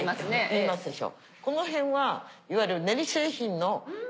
いいますでしょ。